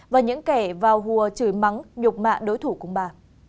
và những kẻ vào hùa chửi mắng nhục mạ đối thủ cùng bà